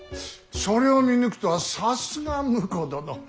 それを見抜くとはさすが婿殿。